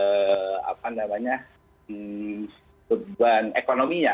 masalah itu juga adalah beban ekonominya